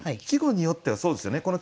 季語によってはそうですよね。